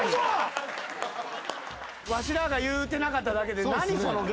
わしらが言うてなかっただけで何その芸。